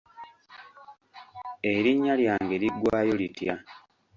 Erinnya lyange liggwayo litya?